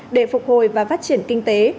để phục hồi và phát triển kinh tế